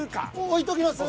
置いときます。